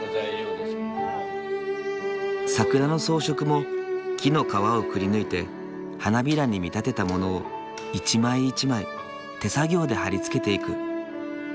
桜の装飾も木の皮をくりぬいて花びらに見立てたものを一枚一枚手作業で貼り付けていく。